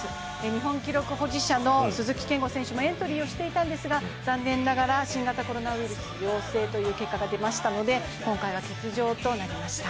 日本記録保持者の鈴木健吾選手もエントリーはしていたんですが残念ながら新型コロナウイルス陽性という結果が出ましたので今回は欠場となりました。